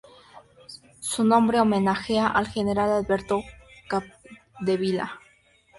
Su nombre homenajea al general Alberto Capdevila.